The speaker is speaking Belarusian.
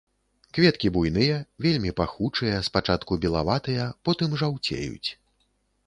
Кветкі буйныя, вельмі пахучыя, спачатку белаватыя, потым жаўцеюць.